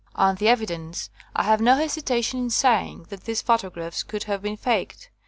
On the evidence I have no hesitation in saying that these photographs could have been 'faked.'